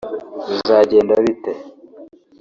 bizagenda bite